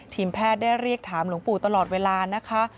แพทย์ได้เรียกถามหลวงปู่ตลอดเวลานะคะ